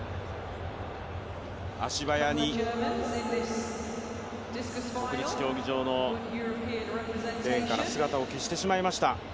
足早に国立競技場のレーンから姿を消してしまいました。